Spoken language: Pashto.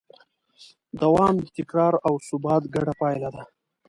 دوام د تکرار او ثبات ګډه پایله ده.